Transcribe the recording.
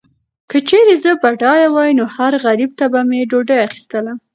که چیرې زه بډایه وای، نو هر غریب ته به مې ډوډۍ اخیستله.